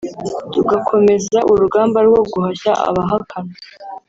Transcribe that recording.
tugakomeza urugamba rwo guhashya abahakana